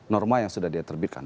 norma yang sudah dia terbitkan